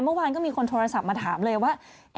เมื่อวานก็มีคนโทรศัพท์มาถามเลยว่า